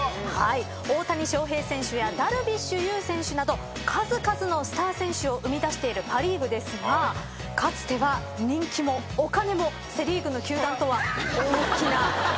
大谷翔平選手やダルビッシュ有選手など数々のスター選手を生み出しているパ・リーグですがかつては人気もお金もセ・リーグの球団とは大きな格差がありました。